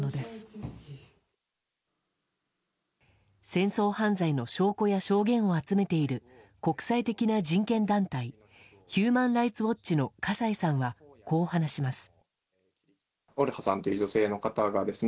戦争犯罪の証拠や証言を集めている国際的な人権団体ヒューマン・ライツ・ウォッチの笠井さんは、こう話します。